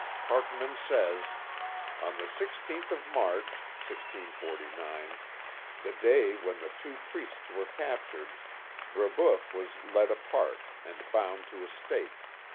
Parkman says: On the sixteenth of March (1649) — the day when the two priests were captured — Brebeuf was led apart, and bound to a stake.